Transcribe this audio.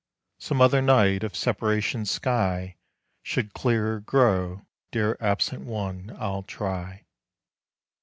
Some other night, if separation's sky Should clearer grow, dear absent one, I'll try.